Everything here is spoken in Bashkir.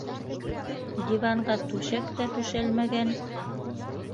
Диванға түшәк тә түшәлмәгән.